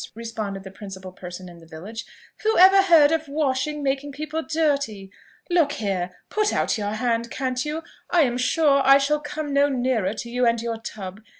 responded the principal person in the village, "whoever heard of washing making people dirty? Look here, put out your hand, can't you? I am sure I shall come no nearer to you and your tub.